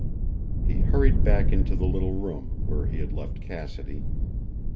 He hurried back into the little room, where he had left Cassidy.